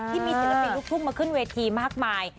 ที่มีศิลปินลูกทุ่งมาขึ้นเวทีมากมาย